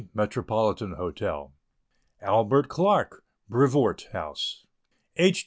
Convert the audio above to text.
Metropolitan Hotel, Albert Clark, Brevoort House, H.